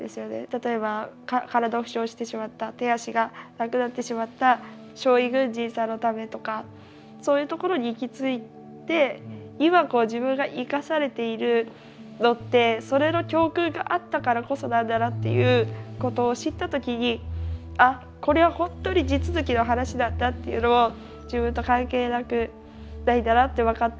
例えば体を負傷してしまった手足がなくなってしまった傷痍軍人さんのためとかそういうところに行き着いて今こう自分が生かされているのってそれの教訓があったからこそなんだなっていうことを知った時にあっこれは本当に地続きの話なんだっていうのを自分と関係なくないんだなって分かって。